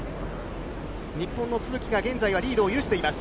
日本の都筑が現在はリードを許しています。